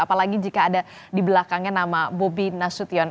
apalagi jika ada di belakangnya nama bobi nasution